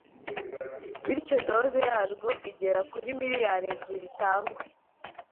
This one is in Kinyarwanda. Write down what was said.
bityo doze yarwo igera kuri miliyari ebyiri itangwe